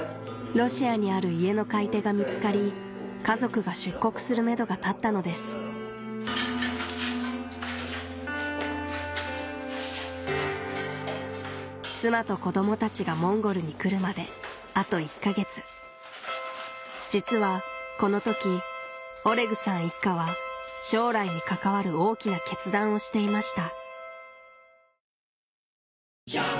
ロシアにある家の買い手が見つかり家族が出国するめどが立ったのです妻と子供たちがモンゴルに来るまであと１か月実はこの時オレグさん一家は将来に関わる大きな決断をしていました